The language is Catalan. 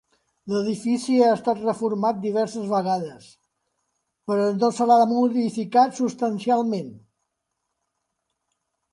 L'edifici ha estat reformat diverses vegades, però no se l'ha modificat substancialment.